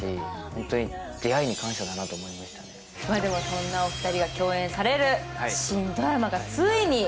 そんなお二人が共演される新ドラマがついに。